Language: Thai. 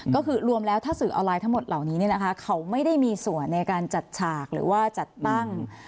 ก็คือรวมแล้วถ้าสื่อออนไลน์ทั้งหมดเหล่านี้เขาไม่ได้มีส่วนในการจัดฉากหรือว่าจัดตั้ง